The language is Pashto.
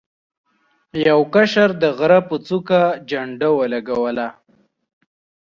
یو کشر د غره په څوکه جنډه ولګوله.